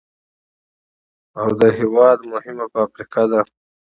او د هېواد مهمه فابريكه ده،